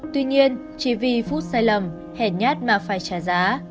tuy nhiên chỉ vì phút sai lầm hẻ nhát mà phải trả giá